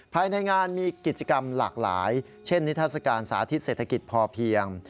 ภายในงานมีกิจกรรมหลากหลายเช่นนิทัศกาลสาธิตเศรษฐกิจพอเพียง